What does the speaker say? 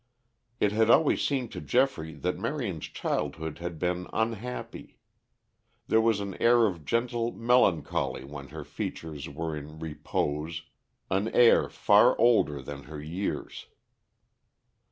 It had always seemed to Geoffrey that Marion's childhood had been unhappy. There was an air of gentle melancholy when her features were in repose, an air far older than her years.